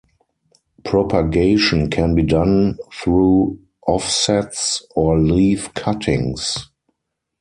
Propagation can be done through offsets or leaf cuttings.